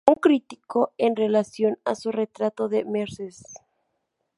Un crítico, en relación a su retrato de "Mrs.